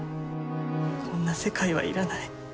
こんな世界はいらない。